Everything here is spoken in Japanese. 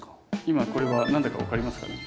今これは何だか分かりますかね？